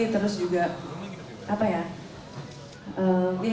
terus juga apa ya